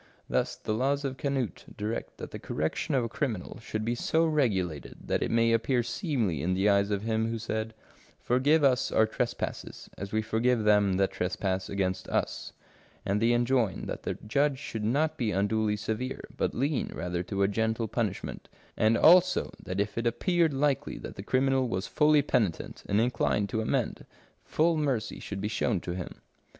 Thus the laws of Canute direct that the correction of a criminal should be so regulated that it may appear seemly in the eyes of Him who said, " Forgive us our trespasses, as we forgive them that trespass against us," and they enjoin that the judge should not be unduly severe, but lean rather to a gentle punishment ; and also that if it appeared likely that the criminal was fully penitent and inclined to amend, full mercy should be shown to him.